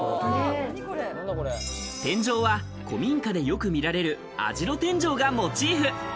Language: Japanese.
天井は古民家でよく見られる網代天井がモチーフ。